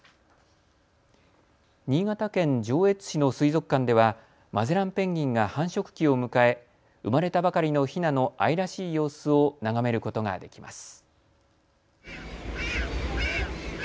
新潟県上越市の水族館ではマゼランペンギンが繁殖期を迎え生まれたばかりのひなの愛らしい様子を眺めることができます。